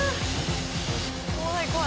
怖い怖い。